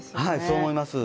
そう思います。